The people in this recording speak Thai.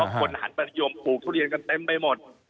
คนหันไปนิยมปลูกทุเรียนกันเต็มไปหมด